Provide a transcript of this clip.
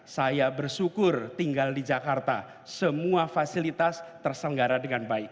saya bersyukur tinggal di jakarta semua fasilitas terselenggara dengan baik